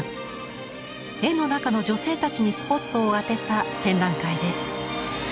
絵の中の女性たちにスポットを当てた展覧会です。